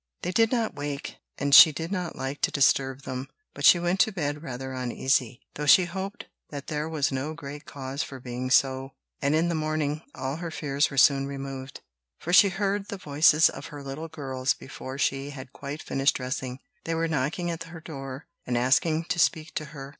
They did not wake, and she did not like to disturb them; but she went to bed rather uneasy, though she hoped that there was no great cause for being so; and in the morning all her fears were soon removed, for she heard the voices of her little girls before she had quite finished dressing. They were knocking at her door, and asking to speak to her.